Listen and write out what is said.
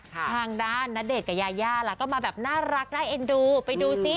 ทางด้านณเดชน์กับยายาล่ะก็มาแบบน่ารักน่าเอ็นดูไปดูซิ